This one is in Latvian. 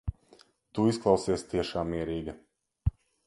Tu izklausies tiešām mierīga.